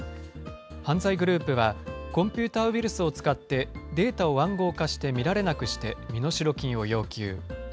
犯罪グループは、コンピューターウイルスを使ってデータを暗号化して見られなくして、身代金を要求。